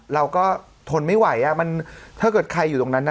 เราก็ทนไม่ไหวมันถ้าเกิดใครอยู่ตรงนั้น